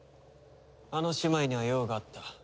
あの姉妹には用があった。